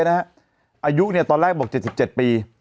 อายุตอนแรกบอก๗๗ปี